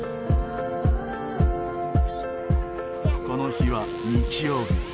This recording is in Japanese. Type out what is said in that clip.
この日は日曜日。